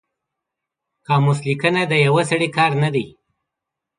قاموس لیکنه د یو سړي کار نه دی